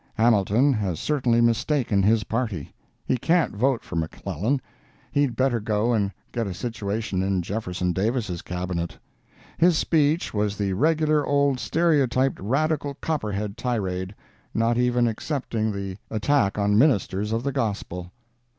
Hamilton has certainly mistaken his party—he can't vote for McClellan; he'd better go and get a situation in Jeff. Davis' cabinet. His speech was the regular old stereotyped Radical Copperhead tirade—not even excepting the attack on ministers of the gospel.